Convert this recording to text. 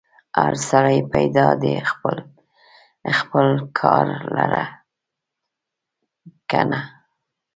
هر سړی پیدا دی خپل خپل کار لره کنه.